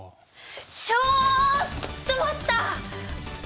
ちょっと待った！